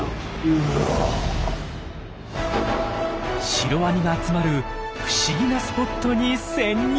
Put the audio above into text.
シロワニが集まる不思議なスポットに潜入！